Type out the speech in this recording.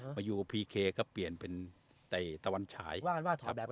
ก็มายูกพีเคก็เปลี่ยนเป็นไต่ตะวันฉายว่ากันว่าเถอะ